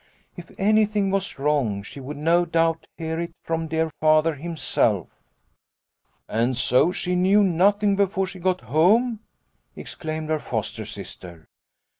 If anything was wrong she would, no doubt, hear it from dear Father himself." " And so she knew nothing before she got home ?" exclaimed her foster sister.